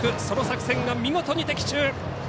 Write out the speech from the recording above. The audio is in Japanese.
その作戦が見事に的中。